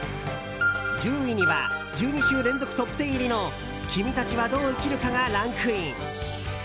１０位には１２週連続トップ１０入りの「君たちはどう生きるか」がランクイン。